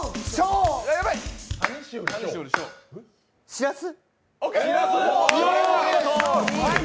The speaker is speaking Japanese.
しらす。